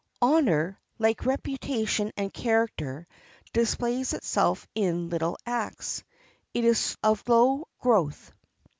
Honor, like reputation and character, displays itself in little acts. It is of slow growth.